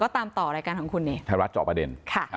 ถ้ารัฐจอบประเด็น